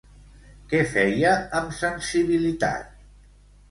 Què feia amb sensibilitat?